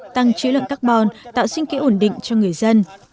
tăng chữ lượng carbon tạo sinh kế ổn định cho người dân